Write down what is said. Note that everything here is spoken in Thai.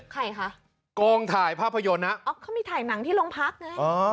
ใครคะโกงถ่ายภาพยนตร์นะอ๋อเขามีถ่ายหนังที่โรงพักไงอ๋อ